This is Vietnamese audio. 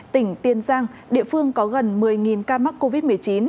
tỉnh tiền giang địa phương có gần một mươi ca mắc covid một mươi chín